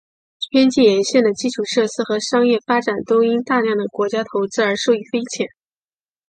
边界沿线的基础设施和商业发展都因大量的国家投资而受益匪浅。